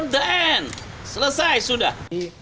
tim delapan dan selesai sudah